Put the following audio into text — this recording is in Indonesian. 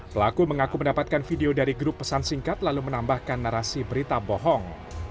pelaku mengaku mendapatkan video dari grup pesan singkat lalu menambahkan narasi berita bohong